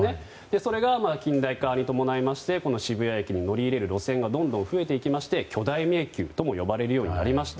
それが近代化に伴いまして渋谷駅に乗り入れる路線がどんどん増えていきまして巨大迷宮とも呼ばれるようになりました。